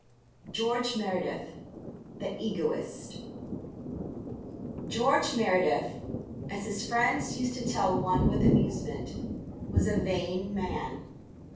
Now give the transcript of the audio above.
XVI. GEORGE MEREDITH (1) THE EGOIST George Meredith, as his friends used to tell one with amusement, was a vain man.